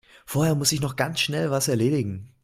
Vorher muss ich noch ganz schnell was erledigen.